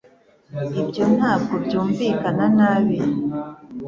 Ibyo ntabwo byumvikana nabi